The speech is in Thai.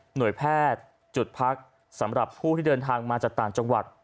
แพทย์จุดพักสำหรับผู้ที่เดินทางมาจากต่างจังหวัด